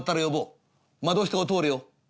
窓下を通れよ。